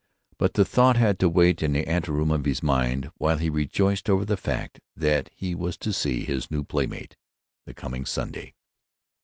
But the thought had to wait in the anteroom of his mind while he rejoiced over the fact that he was to see his new playmate the coming Sunday.